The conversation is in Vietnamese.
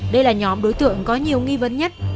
đây là nhóm đối tượng có nhiều nghi vấn